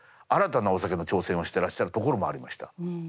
新たなお酒の挑戦をしてらっしゃるところもありました。